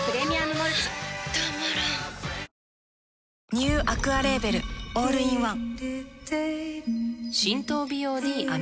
ニューアクアレーベルオールインワン